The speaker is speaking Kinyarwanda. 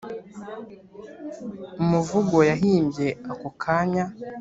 umuvugo yahimbye ako kanya